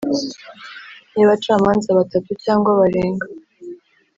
y abacamanza batatu cyangwa barenga